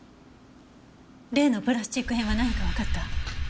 例のプラスチック片は何かわかった？